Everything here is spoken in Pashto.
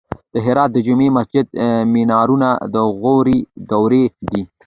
د هرات د جمعې مسجد مینارونه د غوري دورې دي